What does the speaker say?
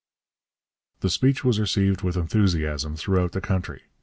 The speech was received with enthusiasm throughout the country.